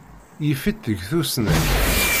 Yif-itt deg tusnakt.